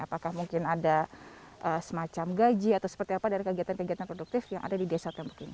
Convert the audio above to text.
apakah mungkin ada semacam gaji atau seperti apa dari kegiatan kegiatan produktif yang ada di desa tembok ini